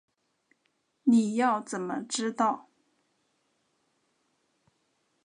你要怎么知道